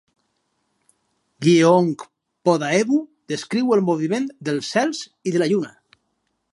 "Gyeongpodaebu" descriu el moviment dels cels i de la lluna.